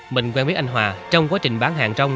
mình quen biết anh hòa trong quá trình bán hàng rong